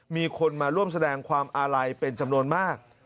มีคนมาร่วมแสดงความอาลัยเป็นจำนวนมาก